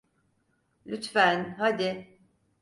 Lütfen, hadi.